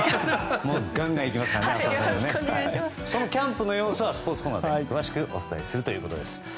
そのキャンプの様子はスポーツコーナーで詳しくお伝えするということです。